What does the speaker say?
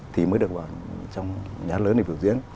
thì mới được vào trong nhà đất lớn để phục diễn